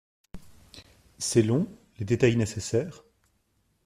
C'est long ? Les détails nécessaires.